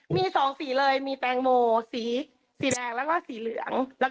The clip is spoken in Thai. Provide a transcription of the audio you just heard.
มี๒สีเลยมีแตงโมสีแดงแล้วก็สีเหลือง